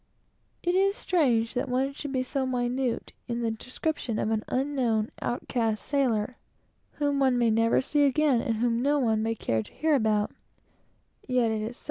It is strange that one should be so minute in the description of an unknown, outcast sailor, whom one may never see again, and whom no one may care to hear about; but so it is.